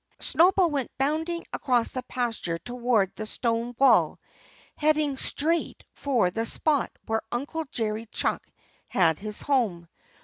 Snowball went bounding across the pasture towards the stone wall, headed straight for the spot where Uncle Jerry Chuck had his home.